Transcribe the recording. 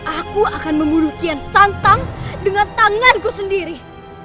aku akan membunuh kian santak dengan tanganku sendiri